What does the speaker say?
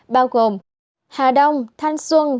bao gồm hà đông thanh xuân